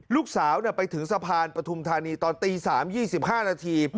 ลูกสาวไปถึงสะพานปฐุมธานีตอนตี๓๒๕นาที